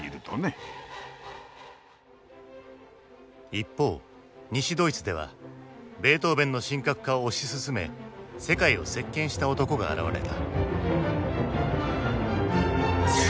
一方西ドイツではベートーヴェンの神格化を推し進め世界を席けんした男が現れた。